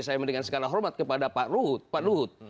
saya mendengar sekala hormat kepada pak luhut